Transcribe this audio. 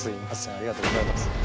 ありがとうございます。